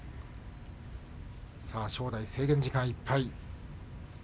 制限時間いっぱい。